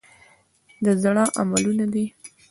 د زړه عملونه دي .